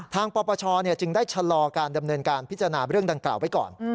ปปชจึงได้ชะลอการดำเนินการพิจารณาเรื่องดังกล่าวไว้ก่อน